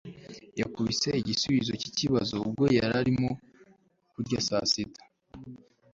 yakubise igisubizo cyikibazo ubwo yari arimo kurya saa sita